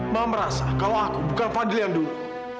ma merasa kalau aku bukan fadil yang dulu